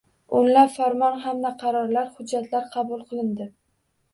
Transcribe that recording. Oʻnlab Farmon hamda qarorlar, hujjatlar qabul qilindi